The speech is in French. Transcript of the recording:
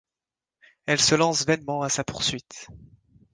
Elle se lance vainement à sa poursuite.